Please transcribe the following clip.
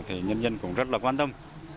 thì nhân dân cũng rất là quan tâm